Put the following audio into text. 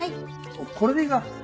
これでいいか？